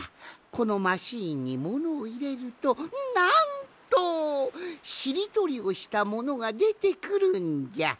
このマシーンにものをいれるとなんとしりとりをしたものがでてくるんじゃ。